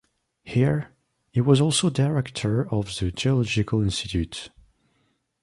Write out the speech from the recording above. Here, he was also director of the geological institute.